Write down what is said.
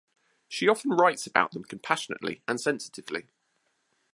She often writes about them compassionately and sensitively.